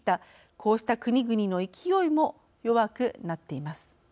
こうした国々の勢いも弱くなっています。